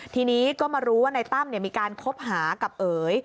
ทีนี้ก็มารู้ว่านายตั้มมีการคบหากับเอ๋ย